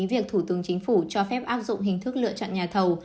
việc thủ tướng chính phủ cho phép áp dụng hình thức lựa chọn nhà thầu